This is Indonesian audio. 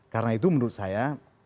karena itu menurut saya